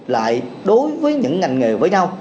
lại đối với những ngành nghề với nhau